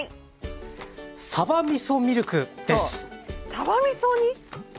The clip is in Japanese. さばみそに牛乳？